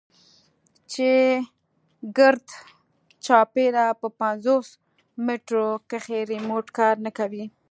چې ګردچاپېره په پينځوس مټرو کښې ريموټ کار نه کوي.